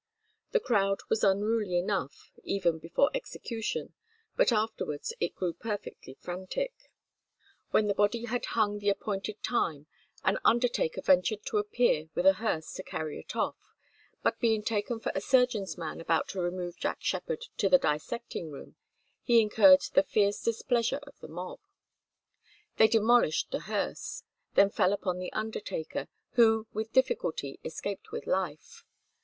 The crowd was unruly enough even before execution, but afterwards it grew perfectly frantic. When the body had hung the appointed time, an undertaker ventured to appear with a hearse to carry it off, but being taken for a surgeon's man about to remove Jack Sheppard to the dissecting room, he incurred the fierce displeasure of the mob. They demolished the hearse, then fell upon the undertaker, who with difficulty escaped with life.